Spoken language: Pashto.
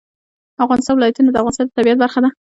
د افغانستان ولايتونه د افغانستان د طبیعت برخه ده.